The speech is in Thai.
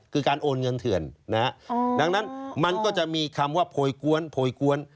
คือการโอนเงินเถื่อนนะฮะดังนั้นมันก็จะมีคำว่าโพยกวนโพยกวน